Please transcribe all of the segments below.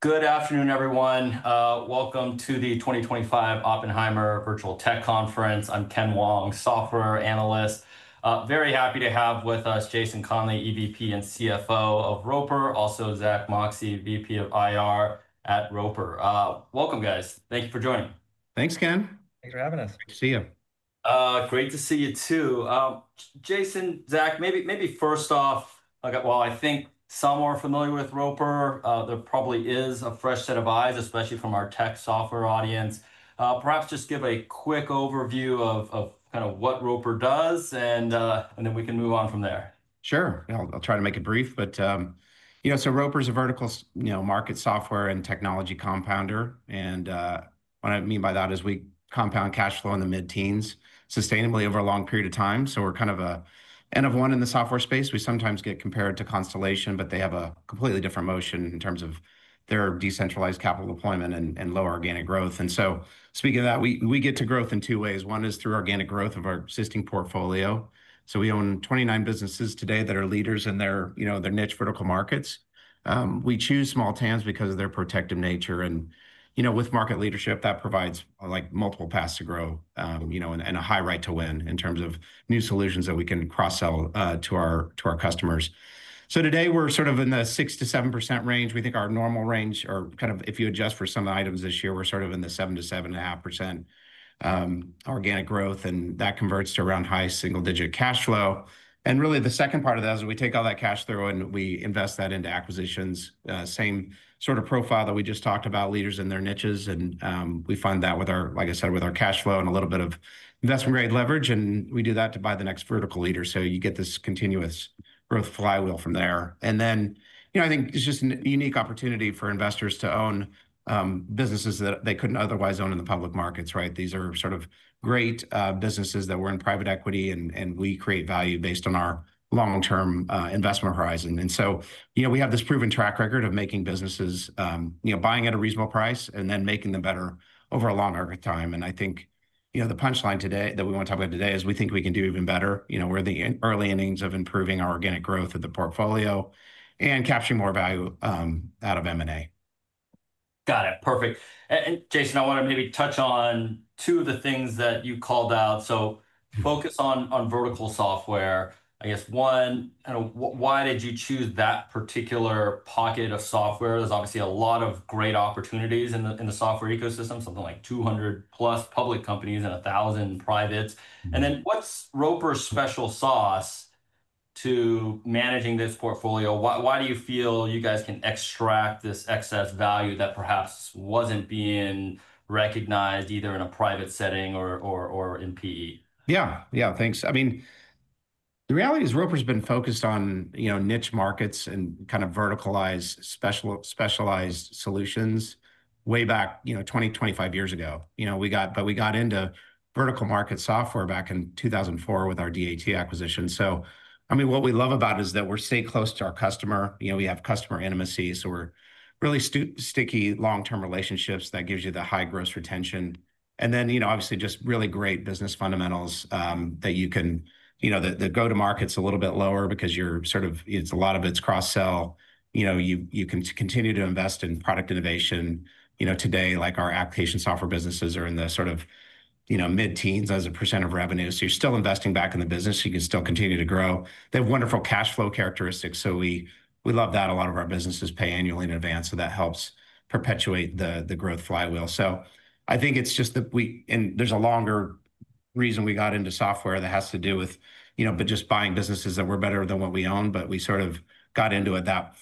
Good afternoon, everyone. Welcome to the 2025 Oppenheimer Virtual Tech conference. I'm Ken Wong, Software Analyst. Very happy to have with us Jason Conley, Executive Vice President and Chief Financial Officer of Roper, also Zack Moxcey, Vice President of Investor Relations at Roper. Welcome, guys. Thank you for joining. Thanks, Ken. Thanks for having us. Great to see you. Great to see you too. Jason, Zack, maybe first off, while I think some are familiar with Roper, there probably is a fresh set of eyes, especially from our tech software audience. Perhaps just give a quick overview of kind of what Roper does, and then we can move on from there. Sure. I'll try to make it brief, but you know, Roper is a vertical market software and technology compounder. What I mean by that is we compound cash flow in the mid-teens sustainably over a long period of time. We're kind of an end of one in the software space. We sometimes get compared to Constellation Software, but they have a completely different motion in terms of their decentralized capital deployment and lower organic growth. Speaking of that, we get to growth in two ways. One is through organic growth of our existing portfolio. We own 29 businesses today that are leaders in their niche vertical markets. We choose small TAMs because of their protective nature. With market leadership, that provides multiple paths to grow and a high right to win in terms of new solutions that we can cross-sell to our customers. Today we're sort of in the 6%-7% range. We think our normal range, or if you adjust for some of the items this year, we're sort of in the 7% to 7.5% organic growth, and that converts to around high single-digit cash flow. The second part of that is we take all that cash flow and we invest that into acquisitions. Same sort of profile that we just talked about, leaders in their niches. We fund that with our, like I said, with our cash flow and a little bit of investment-grade leverage. We do that to buy the next vertical leader. You get this continuous growth flywheel from there. I think it's just a unique opportunity for investors to own businesses that they couldn't otherwise own in the public markets, right? These are great businesses that were in private equity, and we create value based on our long-term investment horizon. We have this proven track record of making businesses, buying at a reasonable price and then making them better over a long arc of time. The punchline today that we want to talk about is we think we can do even better. We're in the early innings of improving our organic growth of the portfolio and capturing more value out of M&A. Got it. Perfect. Jason, I want to maybe touch on two of the things that you called out. Focus on vertical software. I guess one, I don't know why did you choose that particular pocket of software? There's obviously a lot of great opportunities in the software ecosystem, something like 200+ public companies and 1,000 privates. What's Roper's special sauce to managing this portfolio? Why do you feel you guys can extract this excess value that perhaps wasn't being recognized either in a private setting or in PE? Yeah, yeah, thanks. I mean, the reality is Roper's been focused on niche markets and kind of verticalized specialized solutions way back 20, 25 years ago. You know, we got into vertical market software back in 2004 with our DAT acquisition. I mean, what we love about it is that we're staying close to our customer. You know, we have customer intimacy. We're really sticky, long-term relationships that give you the high gross retention. Obviously, just really great business fundamentals that you can, you know, the go-to-market's a little bit lower because you're sort of, a lot of it's cross-sell. You know, you can continue to invest in product innovation. Today, like our application software businesses are in the sort of, you know, mid-teens as a percent of revenue. You're still investing back in the business. You can still continue to grow. They have wonderful cash flow characteristics. We love that a lot of our businesses pay annually in advance. That helps perpetuate the growth flywheel. I think it's just that we, and there's a longer reason we got into software that has to do with, you know, just buying businesses that were better than what we own. We sort of got into it that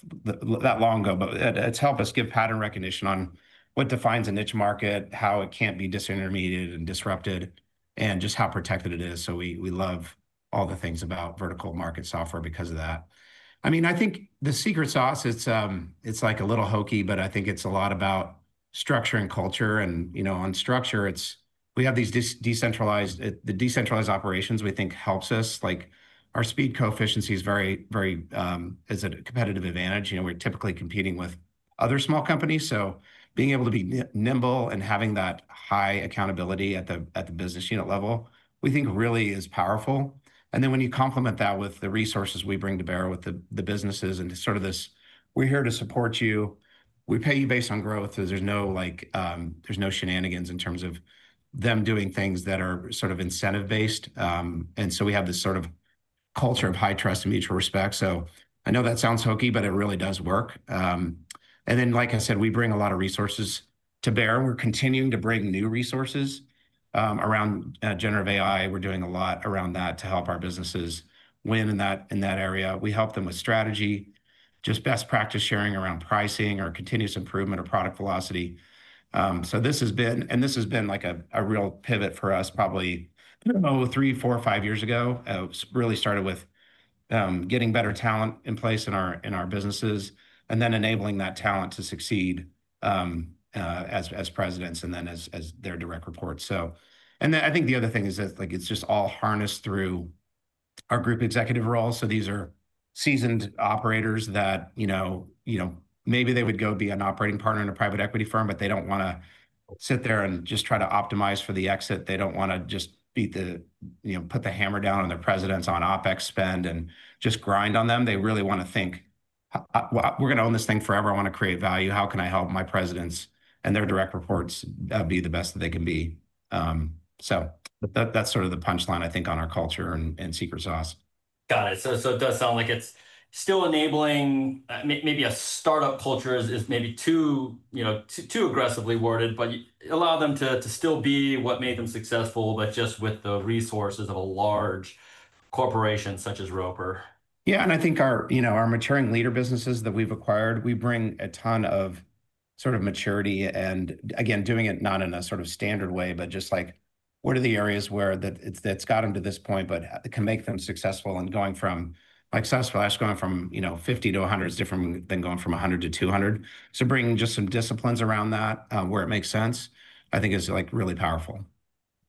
long ago. It's helped us give pattern recognition on what defines a niche market, how it can't be disintermediated and disrupted, and just how protected it is. We love all the things about vertical market software because of that. I think the secret sauce, it's like a little hokey, but I think it's a lot about structure and culture. On structure, we have these decentralized, the decentralized operations we think helps us. Our speed coefficient is very, very, is a competitive advantage. We're typically competing with other small companies. Being able to be nimble and having that high accountability at the business unit level, we think really is powerful. When you complement that with the resources we bring to bear with the businesses and sort of this, we're here to support you. We pay you based on growth. There's no, like, there's no shenanigans in terms of them doing things that are sort of incentive-based. We have this sort of culture of high trust and mutual respect. I know that sounds hokey, but it really does work. Like I said, we bring a lot of resources to bear. We're continuing to bring new resources around generative AI. We're doing a lot around that to help our businesses win in that area. We help them with strategy, just best practice sharing around pricing or continuous improvement of product velocity. This has been a real pivot for us probably three, four, or five years ago. It really started with getting better talent in place in our businesses and then enabling that talent to succeed as Presidents and then as their direct reports. I think the other thing is that it's just all harnessed through our Group Executive roles. These are seasoned operators that, you know, maybe they would go be an Operating Partner in a private equity firm, but they don't want to sit there and just try to optimize for the exit. They don't want to just beat the, you know, put the hammer down on their Presidents on OpEx spend and just grind on them. They really want to think, we're going to own this thing forever. I want to create value. How can I help my Presidents and their direct reports be the best that they can be? That's sort of the punchline, I think, on our culture and secret sauce. Got it. It does sound like it's still enabling maybe a startup culture is maybe too, you know, too aggressively worded, but allow them to still be what made them successful, but just with the resources of a large corporation such as Roper. I think our maturing leader businesses that we've acquired, we bring a ton of sort of maturity and again, doing it not in a sort of standard way, but just like what are the areas where it's gotten to this point, but it can make them successful and going from successful, actually going from, you know, 50-100 is different than going from 100- 200. Bringing just some disciplines around that where it makes sense, I think is really powerful.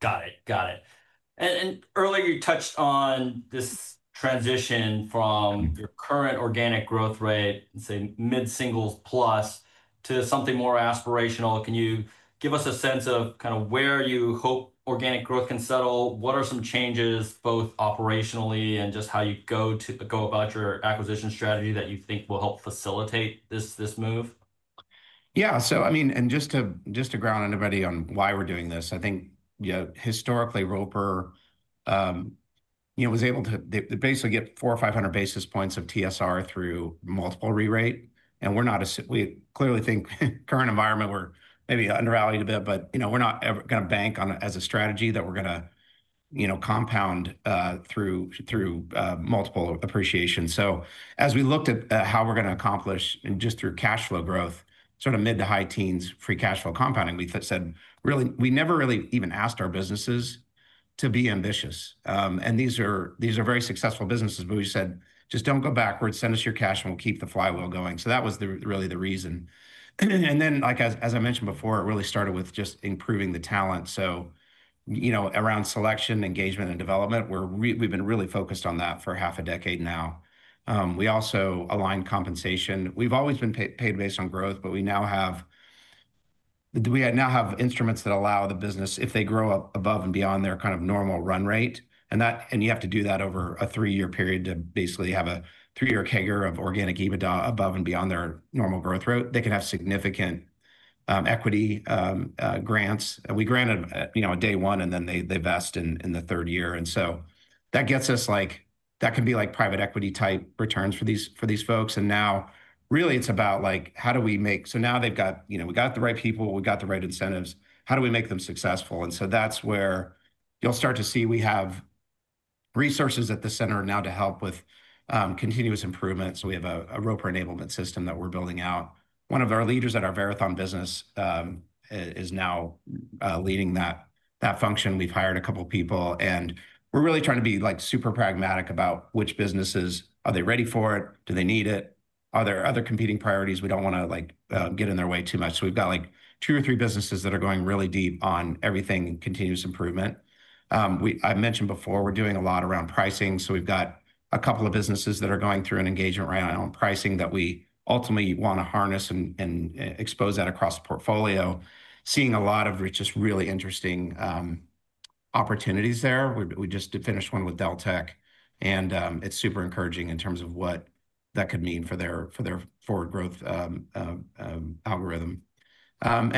Got it. Earlier you touched on this transition from your current organic growth rate, say mid-singles plus, to something more aspirational. Can you give us a sense of where you hope organic growth can settle? What are some changes both operationally and just how you go about your acquisition strategy that you think will help facilitate this move? Yeah, so I mean, and just to ground anybody on why we're doing this, I think, you know, historically Roper, you know, was able to basically get 400 or 500 basis points of TSR through multiple re-rate. We're not, we clearly think current environment we're maybe undervalued a bit, but, you know, we're not ever going to bank on as a strategy that we're going to, you know, compound through multiple appreciation. As we looked at how we're going to accomplish just through cash flow growth, sort of mid to high teens free cash flow compounding, we said really we never really even asked our businesses to be ambitious. These are very successful businesses, but we said just don't go backwards, send us your cash and we'll keep the flywheel going. That was really the reason. Like as I mentioned before, it really started with just improving the talent. So, you know, around selection, engagement, and development, we've been really focused on that for half a decade now. We also aligned compensation. We've always been paid based on growth, but we now have, we now have instruments that allow the business, if they grow up above and beyond their kind of normal run rate. You have to do that over a three-year period to basically have a three-year CAGR of organic EBITDA above and beyond their normal growth rate. They can have significant equity grants. We granted a day one and then they vest in the third year. That gets us like, that can be like private equity type returns for these folks. Now really it's about like, how do we make, so now they've got, you know, we got the right people, we got the right incentives, how do we make them successful? That's where you'll start to see we have resources at the center now to help with continuous improvement. We have a Roper enablement system that we're building out. One of our leaders at our marathon business is now leading that function. We've hired a couple of people and we're really trying to be like super pragmatic about which businesses, are they ready for it? Do they need it? Are there other competing priorities? We don't want to like get in their way too much. We've got like two or three businesses that are going really deep on everything and continuous improvement. I mentioned before we're doing a lot around pricing. We've got a couple of businesses that are going through an engagement right now on pricing that we ultimately want to harness and expose across the portfolio. Seeing a lot of just really interesting opportunities there. We just finished one with Deltek and it's super encouraging in terms of what that could mean for their forward growth algorithm. That's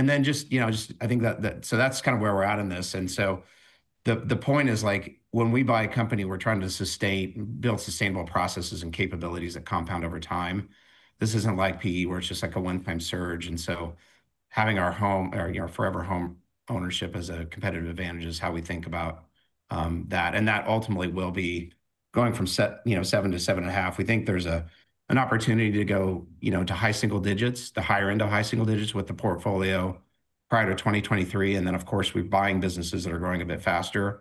kind of where we're at in this. The point is, when we buy a company, we're trying to build sustainable processes and capabilities that compound over time. This isn't like PE where it's just a one-time surge. Having our home, our forever home ownership as a competitive advantage is how we think about that. That ultimately will be going from 7%-7.5%. We think there's an opportunity to go to high single digits, to hire into high single digits with the portfolio prior to 2023. Of course, we're buying businesses that are growing a bit faster,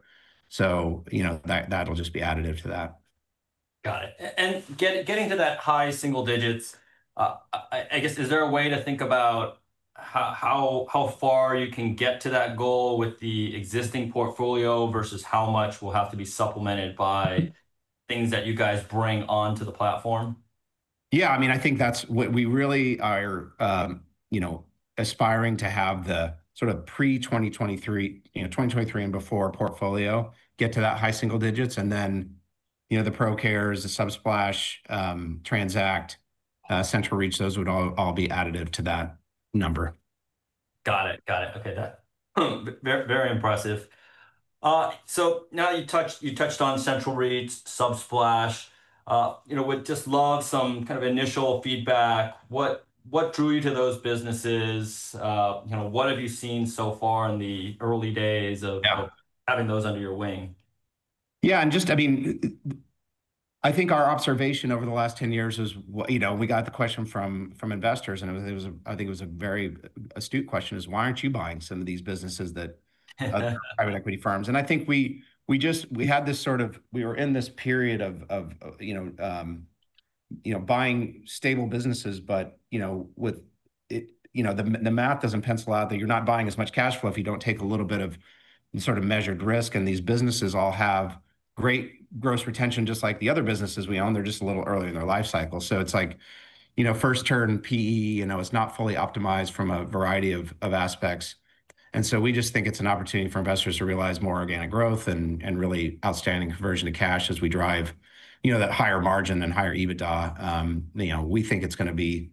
so that'll just be additive to that. Got it. Getting to that high single digits, I guess, is there a way to think about how far you can get to that goal with the existing portfolio versus how much will have to be supplemented by things that you guys bring onto the platform? Yeah, I mean, I think that's what we really are aspiring to have, the sort of pre-2023, you know, 2023 and before portfolio get to that high single digits. The Procare, the Subsplash, Transact, CentralReach, those would all be additive to that number. Got it. Okay. That's very impressive. You touched on CentralReach, Subsplash. We'd just love some kind of initial feedback. What drew you to those businesses? What have you seen so far in the early days of having those under your wing? Yeah, and just, I mean, I think our observation over the last 10 years is, you know, we got the question from investors, and I think it was a very astute question: why aren't you buying some of these businesses that are private equity firms? I think we just, we had this sort of, we were in this period of buying stable businesses, but, you know, the math doesn't pencil out that you're not buying as much cash flow if you don't take a little bit of the sort of measured risk. These businesses all have great gross retention, just like the other businesses we own. They're just a little early in their life cycle. It's like, you know, first turn PE, it's not fully optimized from a variety of aspects. We just think it's an opportunity for investors to realize more organic growth and really outstanding conversion to cash as we drive that higher margin and higher EBITDA. We think it's going to be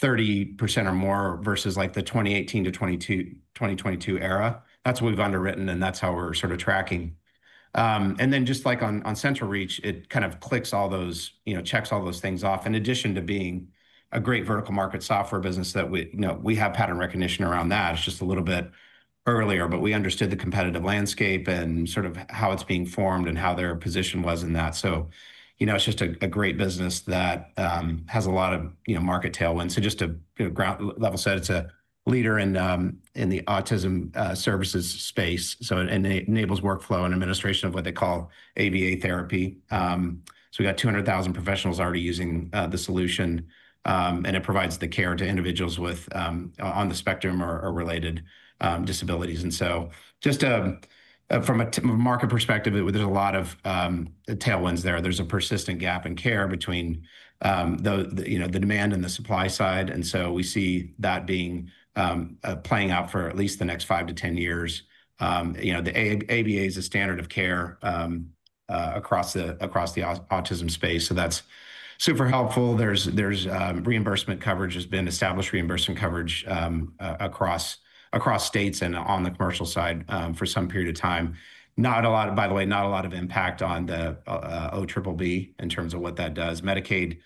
30% or more versus like the 2018-2022 era. That's what we've underwritten, and that's how we're sort of tracking. Just like on CentralReach, it kind of clicks all those, checks all those things off. In addition to being a great vertical market software business that we, you know, we have pattern recognition around that. It's just a little bit earlier, but we understood the competitive landscape and sort of how it's being formed and how their position was in that. It's just a great business that has a lot of market tailwinds. Just to ground level set, it's a leader in the autism services space, and it enables workflow and administration of what they call ABA therapy. We got 200,000 professionals already using the solution, and it provides the care to individuals with, on the spectrum or related disabilities. Just from a market perspective, there's a lot of tailwinds there. There's a persistent gap in care between the demand and the supply side. We see that being playing out for at least the next five to 10 years. The ABA is a standard of care across the autism space. That's super helpful. There's reimbursement coverage, has been established reimbursement coverage across states and on the commercial side for some period of time. Not a lot, by the way, not a lot of impact on the OBBB in terms of what that does. Medicaid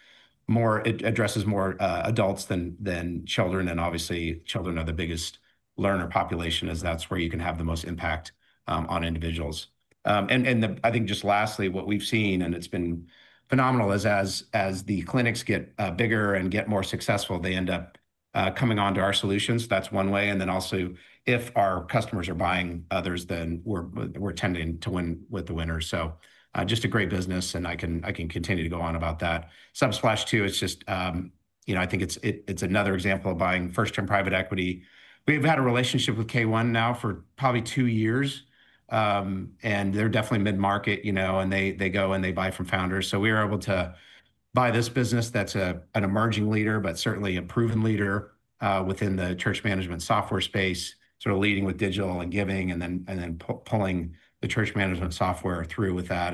addresses more adults than children, and obviously children are the biggest learner population as that's where you can have the most impact on individuals. Lastly, what we've seen, and it's been phenomenal, is as the clinics get bigger and get more successful, they end up coming onto our solutions. That's one way. Also, if our customers are buying others, then we're tending to win with the winners. Just a great business, and I can continue to go on about that. Subsplash too, it's just, I think it's another example of buying first-term private equity. We've had a relationship with K1 now for probably two years, and they're definitely mid-market, and they go and they buy from founders. We were able to buy this business that's an emerging leader, but certainly a proven leader within the church management software space, sort of leading with digital and giving, and then pulling the church management software through with that.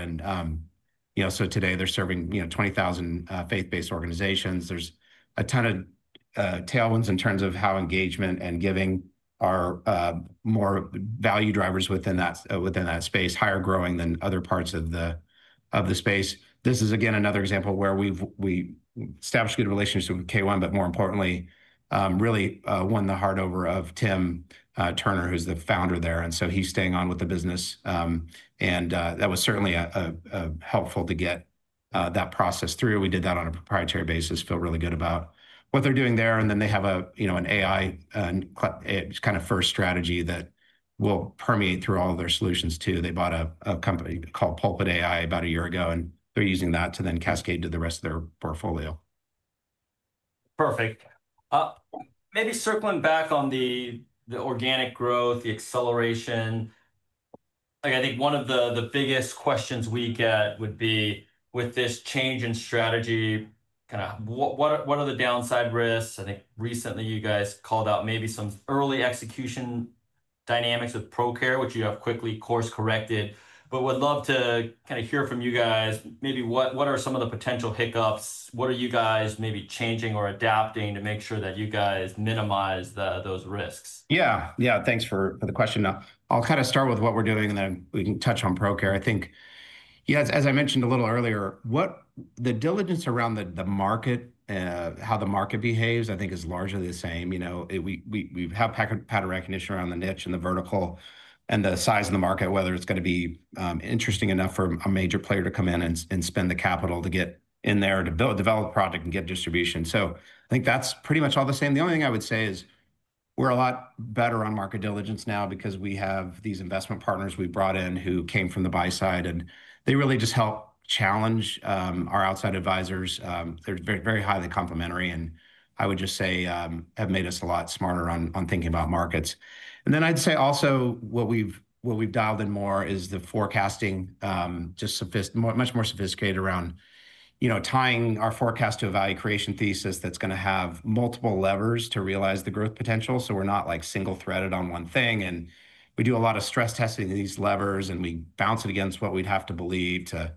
Today they're serving 20,000 faith-based organizations. There's a ton of tailwinds in terms of how engagement and giving are more value drivers within that space, higher growing than other parts of the space. This is again another example where we've established good relationships with K1, but more importantly, really won the heart over of Tim Turner, who's the founder there. He's staying on with the business. That was certainly helpful to get that process through. We did that on a proprietary basis, feel really good about what they're doing there. They have an AI, and it's kind of first strategy that will permeate through all of their solutions too. They bought a company called Pulpit AI about a year ago, and they're using that to then cascade to the rest of their portfolio. Perfect. Maybe circling back on the organic growth, the acceleration. I think one of the biggest questions we get would be with this change in strategy, what are the downside risks? I think recently you guys called out maybe some early execution dynamics with Procare, which you have quickly course-corrected, but would love to hear from you guys, maybe what are some of the potential hiccups. What are you guys maybe changing or adapting to make sure that you guys minimize those risks? Yeah, yeah, thanks for the question. I'll kind of start with what we're doing, and then we can touch on Procare. I think, as I mentioned a little earlier, what the diligence around the market, how the market behaves, I think is largely the same. We have pattern recognition around the niche and the vertical and the size of the market, whether it's going to be interesting enough for a major player to come in and spend the capital to get in there to build a product and get distribution. I think that's pretty much all the same. The only thing I would say is we're a lot better on market diligence now because we have these investment partners we brought in who came from the buy side, and they really just help challenge our outside advisors. They're very highly complimentary, and I would just say have made us a lot smarter on thinking about markets. I'd say also what we've dialed in more is the forecasting, just much more sophisticated around tying our forecast to a value creation thesis that's going to have multiple levers to realize the growth potential. We're not like single threaded on one thing. We do a lot of stress testing of these levers, and we bounce it against what we'd have to believe to,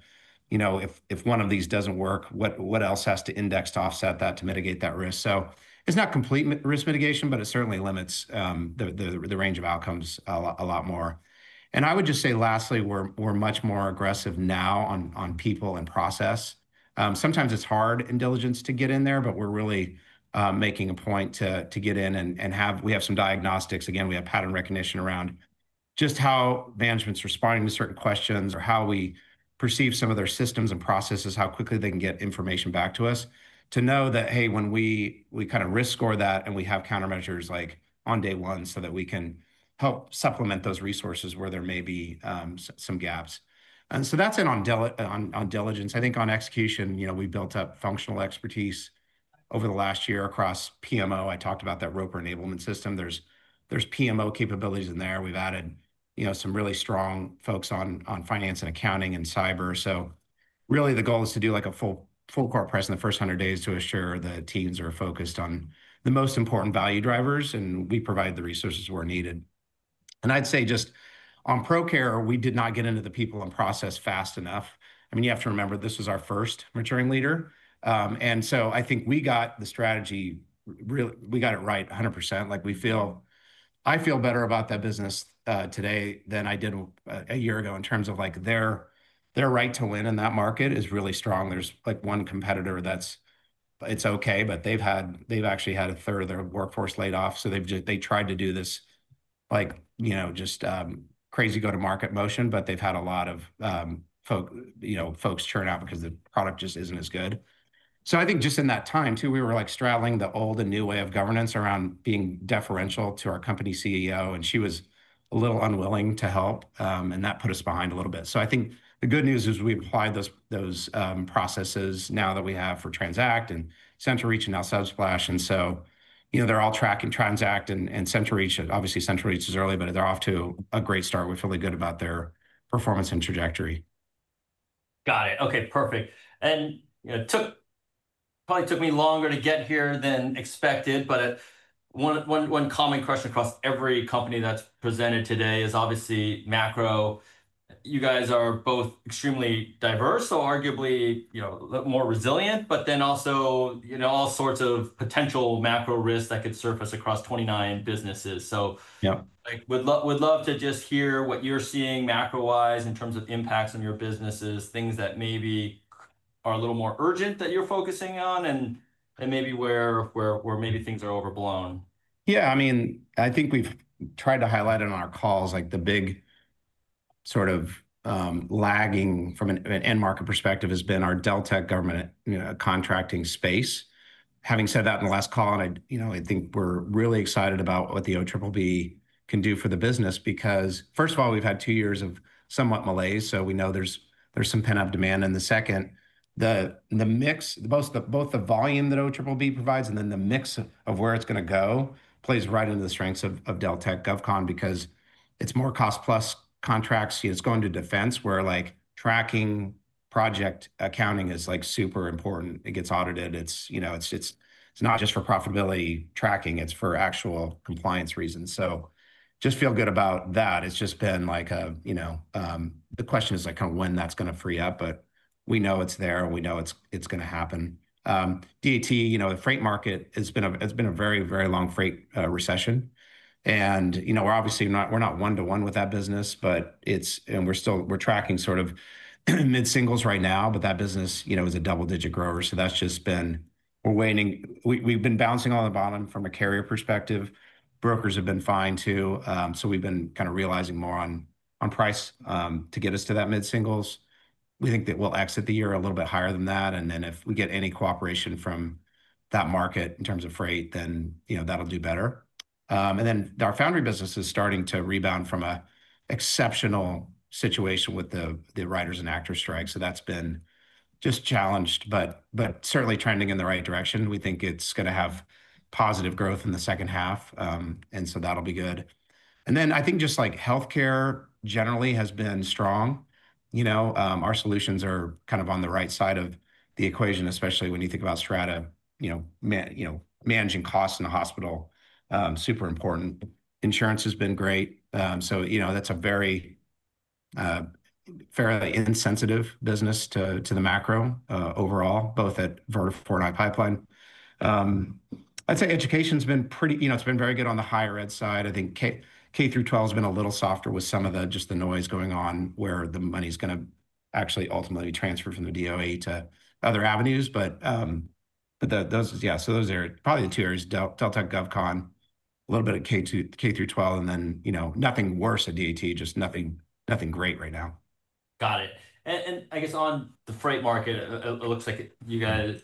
if one of these doesn't work, what else has to index to offset that to mitigate that risk. It's not complete risk mitigation, but it certainly limits the range of outcomes a lot more. I would just say lastly, we're much more aggressive now on people and process. Sometimes it's hard in diligence to get in there, but we're really making a point to get in and have, we have some diagnostics. Again, we have pattern recognition around just how management's responding to certain questions or how we perceive some of their systems and processes, how quickly they can get information back to us to know that, hey, when we kind of risk score that and we have countermeasures like on day one so that we can help supplement those resources where there may be some gaps. That's it on diligence. I think on execution, we built up functional expertise over the last year across PMO. I talked about that Roper enablement system. There's PMO capabilities in there. We've added some really strong folks on finance and accounting and cyber. Really, the goal is to do a full core price in the first hundred days to assure that teams are focused on the most important value drivers and we provide the resources where needed. I'd say just on Procare, we did not get into the people and process fast enough. You have to remember this was our first maturing leader. I think we got the strategy, really, we got it right 100%. I feel better about that business today than I did a year ago in terms of their right to win in that market is really strong. There's one competitor that's, it's okay, but they've actually had a third of their workforce laid off. They tried to do this just crazy go-to-market motion, but they've had a lot of folks churn out because the product just isn't as good. I think in that time too, we were straddling the old and new way of governance around being deferential to our company CEO, and she was a little unwilling to help. That put us behind a little bit. The good news is we've applied those processes now that we have for Transact Campus and CentralReach and now Subsplash. They're all tracking Transact Campus and CentralReach. Obviously, CentralReach is early, but they're off to a great start. We're feeling good about their performance and trajectory. Got it. Okay, perfect. It probably took me longer to get here than expected, but one common question across every company that's presented today is obviously macro. You guys are both extremely diverse, so arguably, you know, more resilient, but then also, you know, all sorts of potential macro risks that could surface across 29 businesses. I would love to just hear what you're seeing macro-wise in terms of the impacts on your businesses, things that maybe are a little more urgent that you're focusing on, and maybe where maybe things are overblown. Yeah, I mean, I think we've tried to highlight in our calls, like the big sort of lagging from an end market perspective has been our Deltek government contracting space. Having said that, in the last call, I think we're really excited about what the OBBB can do for the business because, first of all, we've had two years of somewhat malaise. We know there's some pent-up demand. The second, the mix, both the volume that OBBB provides and then the mix of where it's going to go, plays right into the strengths of Deltek GovCon because it's more cost-plus contracts. It's going to defense where tracking project accounting is super important. It gets audited. It's not just for profitability tracking, it's for actual compliance reasons. I just feel good about that. The question is kind of when that's going to free up, but we know it's there and we know it's going to happen. DAT, the freight market has been a very, very long freight recession. We're obviously not one-to-one with that business, but we're tracking sort of mid-singles right now, but that business is a double-digit grower. We're waiting, we've been bouncing on the bottom from a carrier perspective. Brokers have been fine too. We've been kind of realizing more on price to get us to that mid-singles. We think that we'll exit the year a little bit higher than that. If we get any cooperation from that market in terms of freight, that'll do better. Our foundry business is starting to rebound from an exceptional situation with the writers and actors strike. That's been just challenged, but certainly trending in the right direction. We think it's going to have positive growth in the second half. That'll be good. I think just like healthcare generally has been strong. Our solutions are kind of on the right side of the equation, especially when you think about Strata, managing costs in the hospital, super important. Insurance has been great. That's a very fairly insensitive business to the macro overall, both at vertical Fortnite pipeline. I'd say education's been pretty, it's been very good on the higher ed side. I think K through 12 has been a little softer with some of the noise going on where the money's going to actually ultimately transfer from the DOE to other avenues. Those are probably the two areas: Deltek GovCon, a little bit at K through 12, and nothing worse at DAT, just nothing, nothing great right now. Got it. I guess on the freight market, it looks like you guys,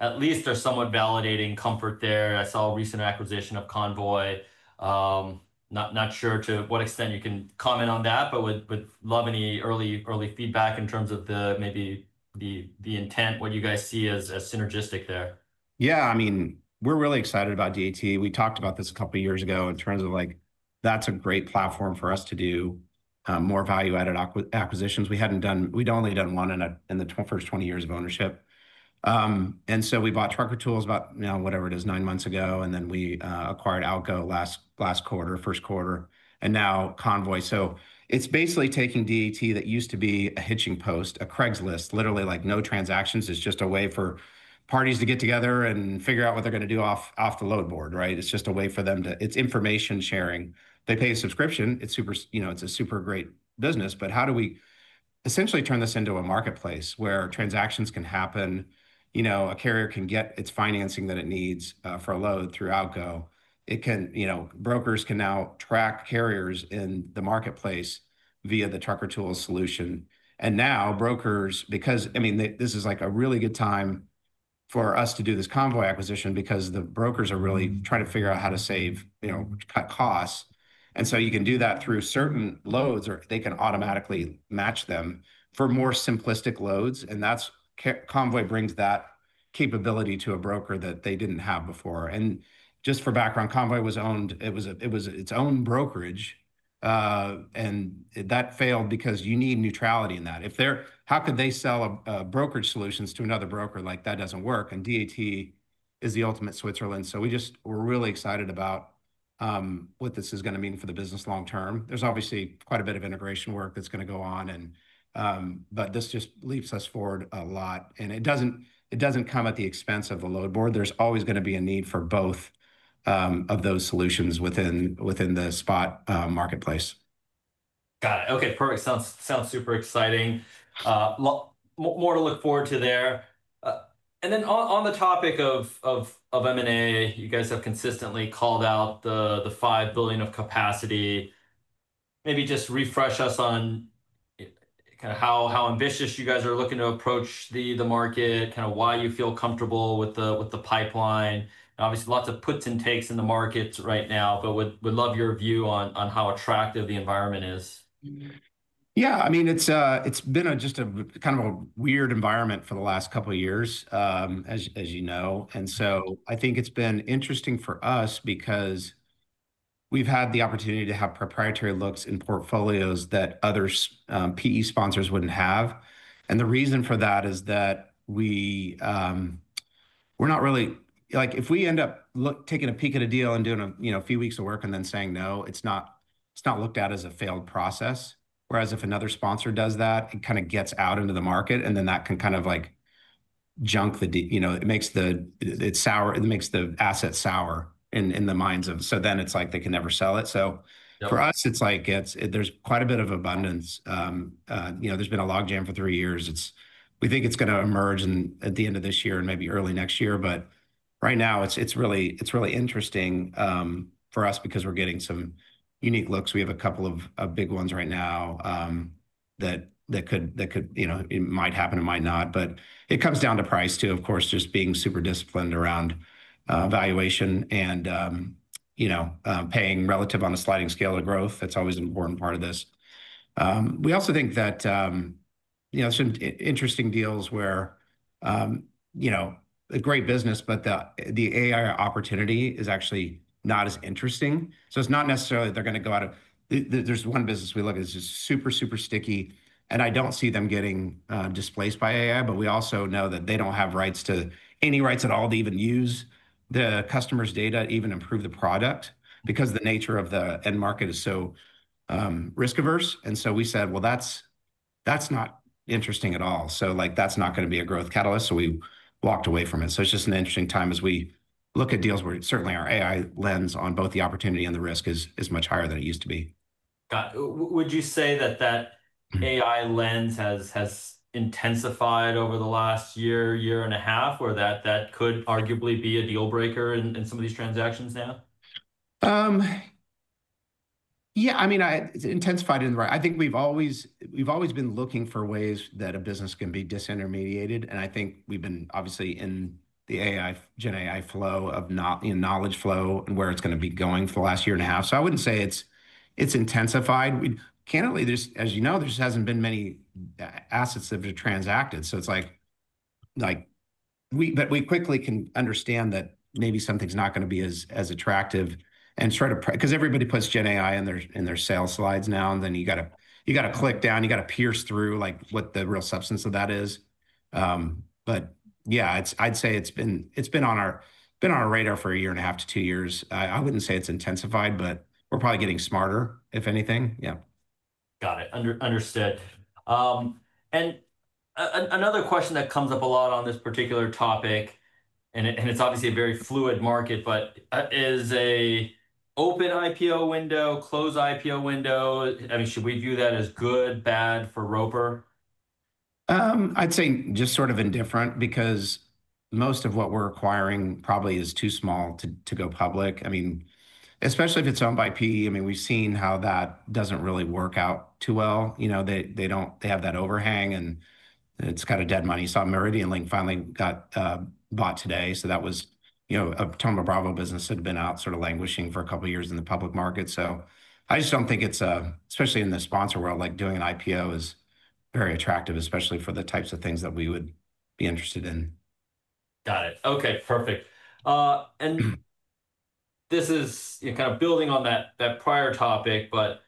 at least there, are somewhat validating comfort there. I saw a recent acquisition of Convoy. Not sure to what extent you can comment on that, but would love any early feedback in terms of maybe the intent, what you guys see as synergistic there. Yeah, I mean, we're really excited about DAT. We talked about this a couple of years ago in terms of, like, that's a great platform for us to do more value-added acquisitions. We hadn't done, we'd only done one in the first 20 years of ownership. We bought Trucker Tools about, you know, whatever it is, nine months ago. We acquired Alko last quarter, first quarter, and now Convoy. It's basically taking DAT that used to be a hitching post, a Craigslist, literally like no transactions. It's just a way for parties to get together and figure out what they're going to do off the load board, right? It's just a way for them to, it's information sharing. They pay a subscription. It's super, you know, it's a super great business, but how do we essentially turn this into a marketplace where transactions can happen? You know, a carrier can get its financing that it needs for a load through Alko. Brokers can now track carriers in the marketplace via the Trucker Tools solution. Now brokers, because, I mean, this is like a really good time for us to do this Convoy acquisition because the brokers are really trying to figure out how to save, you know, cut costs. You can do that through certain loads or they can automatically match them for more simplistic loads. Convoy brings that capability to a broker that they didn't have before. Just for background, Convoy was owned, it was its own brokerage. That failed because you need neutrality in that. If they're, how could they sell brokerage solutions to another broker? That doesn't work. DAT is the ultimate Switzerland. We're really excited about what this is going to mean for the business long term. There's obviously quite a bit of integration work that's going to go on, but this just leaps us forward a lot. It doesn't come at the expense of the load board. There's always going to be a need for both of those solutions within the spot marketplace. Got it. Okay, perfect. Sounds super exciting. More to look forward to there. On the topic of M&A, you guys have consistently called out the $5 billion of capacity. Maybe just refresh us on kind of how ambitious you guys are looking to approach the market, kind of why you feel comfortable with the pipeline. Obviously, lots of puts and takes in the markets right now, but would love your view on how attractive the environment is. Yeah, I mean, it's been just a kind of a weird environment for the last couple of years, as you know. I think it's been interesting for us because we've had the opportunity to have proprietary looks in portfolios that other PE sponsors wouldn't have. The reason for that is that we're not really, like if we end up taking a peek at a deal and doing a few weeks of work and then saying no, it's not looked at as a failed process. Whereas if another sponsor does that, it kind of gets out into the market and then that can kind of make it sour, it makes the asset sour in the minds of, so then it's like they can never sell it. For us, it's like there's quite a bit of abundance. There's been a logjam for three years. We think it's going to emerge at the end of this year and maybe early next year, but right now it's really interesting for us because we're getting some unique looks. We have a couple of big ones right now that could, you know, it might happen or might not, but it comes down to price too, of course, just being super disciplined around valuation and paying relative on a sliding scale of growth. It's always an important part of this. We also think that some interesting deals where a great business, but the AI opportunity is actually not as interesting. It's not necessarily they're going to go out of, there's one business we look at is just super, super sticky. I don't see them getting displaced by AI, but we also know that they don't have rights to any rights at all to even use the customer's data, even improve the product because the nature of the end market is so risk-averse. We said, well, that's not interesting at all. That's not going to be a growth catalyst. We walked away from it. It's just an interesting time as we look at deals where certainly our AI lens on both the opportunity and the risk is much higher than it used to be. Got it. Would you say that that AI lens has intensified over the last year, year and a half, or that that could arguably be a deal breaker in some of these transactions now? Yeah, I mean, it's intensified, right. I think we've always been looking for ways that a business can be disintermediated. I think we've been obviously in the AI, GenAI flow of knowledge flow and where it's going to be going for the last year and a half. I wouldn't say it's intensified. Candidly, as you know, there just hasn't been many assets that have been transacted. We quickly can understand that maybe something's not going to be as attractive, because everybody puts GenAI in their sales slides now. You have to click down, you have to pierce through what the real substance of that is. I'd say it's been on our radar for a year and a half to two years. I wouldn't say it's intensified, but we're probably getting smarter if anything. Yeah. Got it. Understood. Another question that comes up a lot on this particular topic, and it's obviously a very fluid market, is an open IPO window, closed IPO window? I mean, should we view that as good, bad for Roper? I'd say just sort of indifferent because most of what we're acquiring probably is too small to go public. I mean, especially if it's owned by PE, we've seen how that doesn't really work out too well. They have that overhang and it's kind of dead money. IronLink finally got bought today. That was a Thoma Bravo business that had been out sort of languishing for a couple of years in the public market. I just don't think, especially in the sponsor world, doing an IPO is very attractive, especially for the types of things that we would be interested in. Got it. Okay, perfect. This is kind of building on that prior topic, but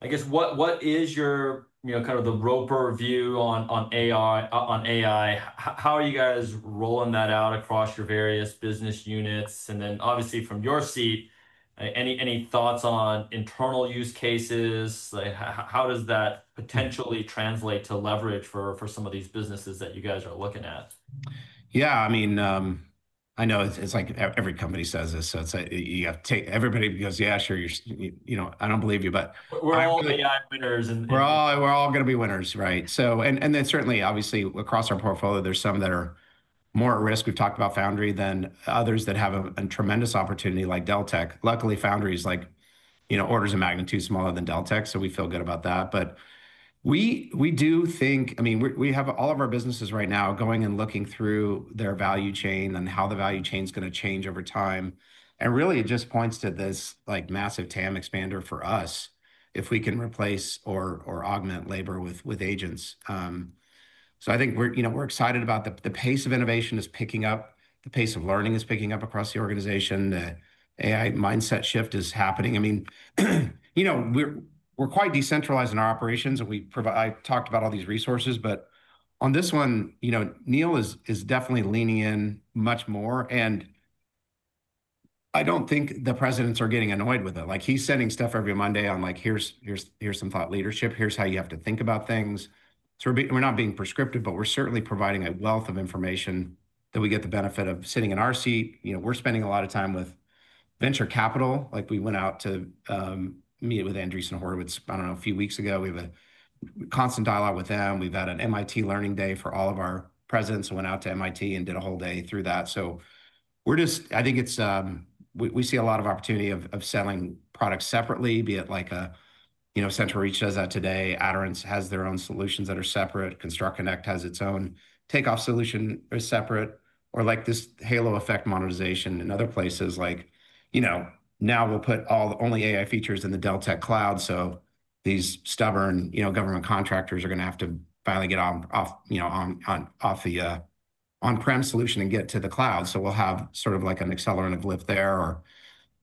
I guess what is your, you know, kind of the Roper view on AI? How are you guys rolling that out across your various business units? Obviously from your seat, any thoughts on internal use cases? How does that potentially translate to leverage for some of these businesses that you guys are looking at? Yeah, I mean, I know it's like every company says this. You have to take everybody because, yeah, sure, you know, I don't believe you, but we're all the admirers and we're all going to be winners, right? Certainly, obviously across our portfolio, there's some that are more at risk. We've talked about Foundry than others that have a tremendous opportunity like Deltek. Luckily, Foundry is, you know, orders of magnitude smaller than Deltek. We feel good about that. We do think we have all of our businesses right now going and looking through their value chain and how the value chain is going to change over time. It just points to this massive TAM expander for us if we can replace or augment labor with agents. I think we're excited about the pace of innovation picking up. The pace of learning is picking up across the organization. The AI mindset shift is happening. We're quite decentralized in our operations and we provide, I talked about all these resources, but on this one, you know, Neil is definitely leaning in much more. I don't think the presidents are getting annoyed with it. He's sending stuff every Monday on like, here's some thought leadership, here's how you have to think about things. We're not being prescriptive, but we're certainly providing a wealth of information that we get the benefit of sitting in our seat. We're spending a lot of time with venture capital. We went out to meet with Andreessen Horowitz, I don't know, a few weeks ago. We have a constant dialogue with them. We've had an MIT Learning Day for all of our presidents who went out to MIT and did a whole day through that. We see a lot of opportunity of selling products separately, be it like a, you know, CentralReach does that today. Aderant has their own solutions that are separate. ConstructConnect has its own takeoff solution that is separate. Or like this halo effect monetization in other places, like, you know, now we'll put all the only AI features in the Deltek cloud. These stubborn government contractors are going to have to finally get off, you know, off the on-prem solution and get to the cloud. We'll have sort of like an accelerant of lift there or,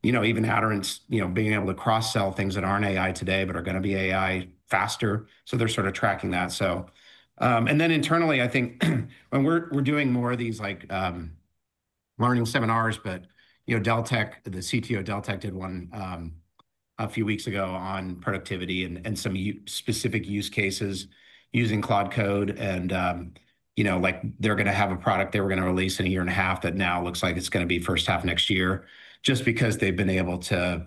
you know, even Aderant, you know, being able to cross-sell things that aren't AI today, but are going to be AI faster. They are sort of tracking that. Internally, I think when we are doing more of these learning seminars, the Chief Technology Officer of Deltek did one a few weeks ago on productivity and some specific use cases using Cloud Code. They are going to have a product they were going to release in a year and a half that now looks like it is going to be first half next year, just because they have been able to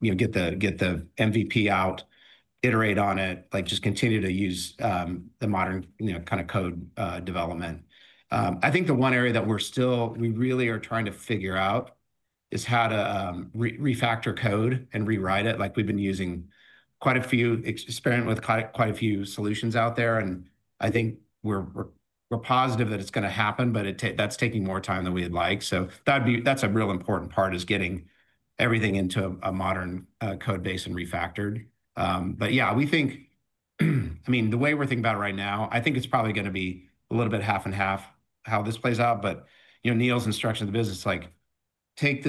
get the MVP out, iterate on it, and continue to use the modern kind of code development. I think the one area that we are still really trying to figure out is how to refactor code and rewrite it. We have been experimenting with quite a few solutions out there. I think we are positive that it is going to happen, but that is taking more time than we would like. That is a really important part, getting everything into a modern code base and refactored. We think, the way we are thinking about it right now, it is probably going to be a little bit half and half how this plays out. Neil's instruction to the business is to take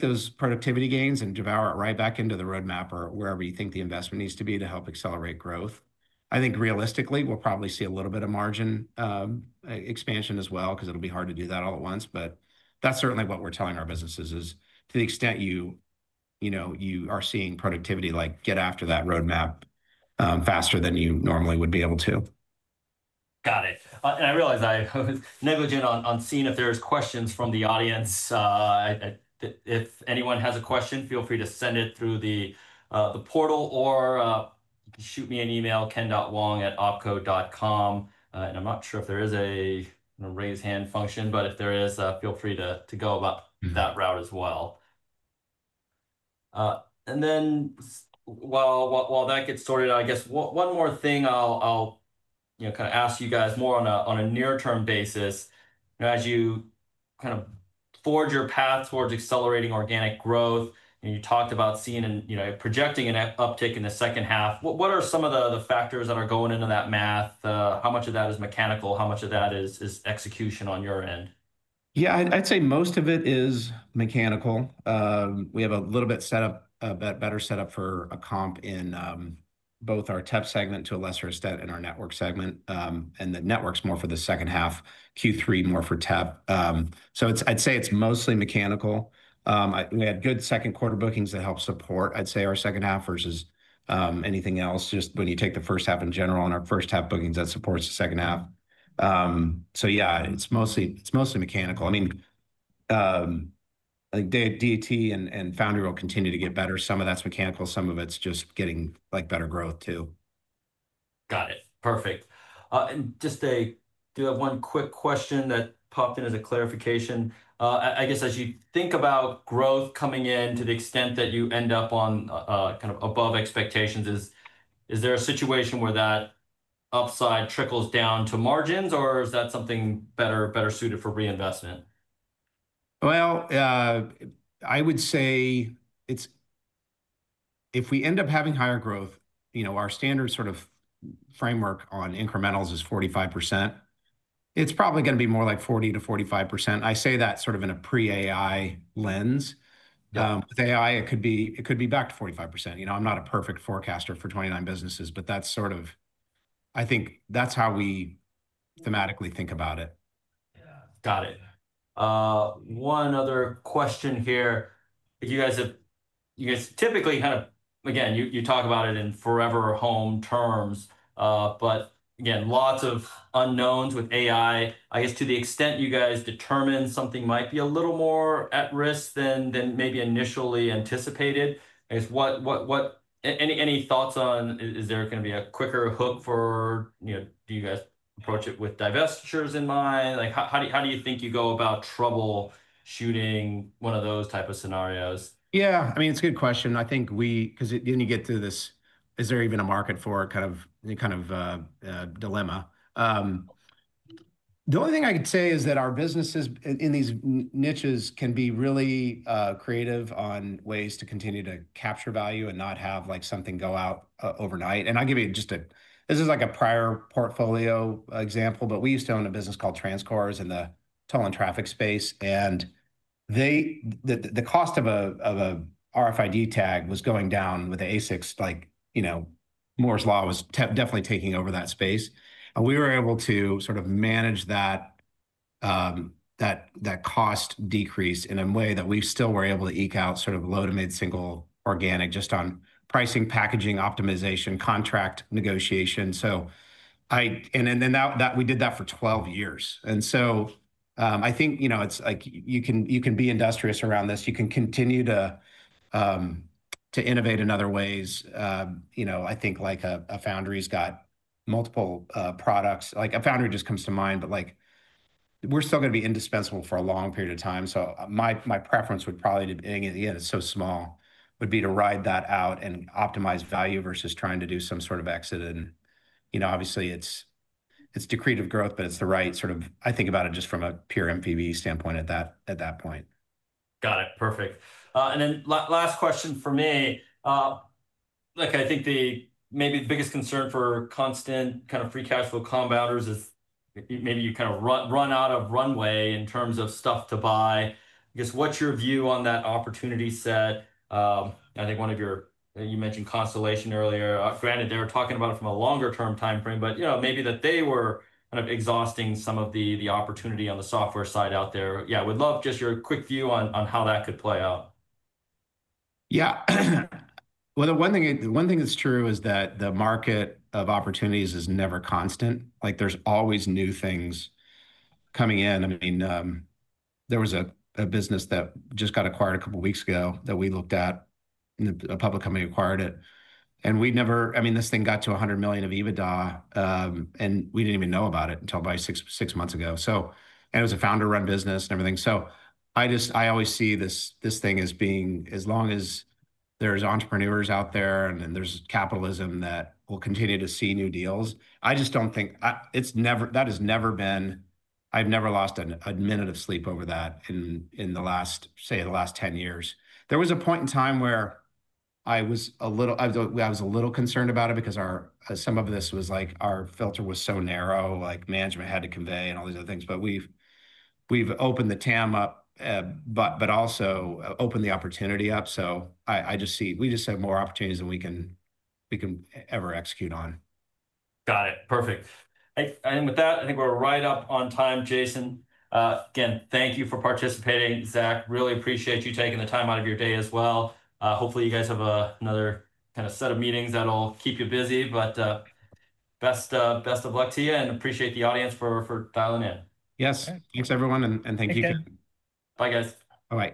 those productivity gains and devour it right back into the roadmap or wherever you think the investment needs to be to help accelerate growth. Realistically, we will probably see a little bit of margin expansion as well, because it will be hard to do that all at once. That is certainly what we are telling our businesses: to the extent you are seeing productivity, get after that roadmap faster than you normally would be able to. Got it. I realize I'm negligent on seeing if there are questions from the audience. If anyone has a question, feel free to send it through the portal or shoot me an email, Ken.Wong@opco.com. I'm not sure if there is a raise hand function, but if there is, feel free to go about that route as well. While that gets sorted, I guess one more thing I'll ask you guys more on a near-term basis. As you kind of forge your path towards accelerating organic growth, you talked about seeing and projecting an uptick in the second half. What are some of the factors that are going into that math? How much of that is mechanical? How much of that is execution on your end? Yeah, I'd say most of it is mechanical. We have a little bit set up, a better setup for a comp in both our TEP segment, to a lesser extent in our network segment. The network's more for the second half, Q3 more for TEP. I'd say it's mostly mechanical. We had good second quarter bookings that help support, I'd say, our second half versus anything else. When you take the first half in general and our first half bookings that support the second half, it's mostly mechanical. I think DAT and Foundry will continue to get better. Some of that's mechanical, some of it's just getting like better growth too. Got it. Perfect. Just to have one quick question that popped in as a clarification, I guess as you think about growth coming in, to the extent that you end up on kind of above expectations, is there a situation where that upside trickles down to margins, or is that something better suited for reinvestment? If we end up having higher growth, you know, our standard sort of framework on incrementals is 45%. It's probably going to be more like 40-45%. I say that sort of in a pre-AI lens. With AI, it could be back to 45%. You know, I'm not a perfect forecaster for 29 businesses, but that's sort of, I think that's how we thematically think about it. Got it. One other question here. You guys typically kind of, again, you talk about it in forever home terms, but again, lots of unknowns with AI. To the extent you guys determine something might be a little more at risk than maybe initially anticipated, any thoughts on, is there going to be a quicker hook for, you know, do you guys approach it with divestitures in mind? How do you think you go about troubleshooting one of those types of scenarios? Yeah, I mean, it's a good question. I think we, because then you get to this, is there even a market for kind of a dilemma? The only thing I could say is that our businesses in these niches can be really creative on ways to continue to capture value and not have like something go out overnight. I'll give you just a, this is like a prior portfolio example, but we used to own a business called TransCore in the toll and traffic space. The cost of an RFID tag was going down with the ASICs, like, you know, Moore's Law was definitely taking over that space. We were able to sort of manage that cost decrease in a way that we still were able to eke out sort of low to mid-single organic just on pricing, packaging, optimization, contract negotiation. I, and then that we did that for 12 years. I think, you know, it's like you can be industrious around this. You can continue to innovate in other ways. I think like a Foundry's got multiple products, like a Foundry just comes to mind, but we're still going to be indispensable for a long period of time. My preference would probably be, and again, it's so small, would be to ride that out and optimize value versus trying to do some sort of exit. Obviously it's decreative growth, but it's the right sort of, I think about it just from a pure MVP standpoint at that point. Got it. Perfect. Last question for me. I think maybe the biggest concern for constant kind of free cash flow compounders is maybe you kind of run out of runway in terms of stuff to buy. I guess what's your view on that opportunity set? I think one of your, you mentioned Constellation earlier. Granted, they were talking about it from a longer term timeframe, but maybe that they were kind of exhausting some of the opportunity on the software side out there. I would love just your quick view on how that could play out. Yeah. The one thing that's true is that the market of opportunities is never constant. There's always new things coming in. There was a business that just got acquired a couple of weeks ago that we looked at. A public company acquired it. We never, I mean, this thing got to $100 million of EBITDA, and we didn't even know about it until about six months ago. It was a founder-run business and everything. I always see this thing as being, as long as there's entrepreneurs out there and then there's capitalism, that we will continue to see new deals. I just don't think it's ever, that has never been, I've never lost a minute of sleep over that in the last, say, the last 10 years. There was a point in time where I was a little concerned about it because some of this was like our filter was so narrow, like management had to convey and all these other things. We've opened the TAM up, but also opened the opportunity up. I just see we just have more opportunities than we can ever execute on. Got it. Perfect. With that, I think we're right up on time, Jason. Again, thank you for participating. Zack, really appreciate you taking the time out of your day as well. Hopefully you guys have another kind of set of meetings that'll keep you busy. Best of luck to you and appreciate the audience for dialing in. Yes, thanks everyone. Thank you. Bye, guys. Bye-bye.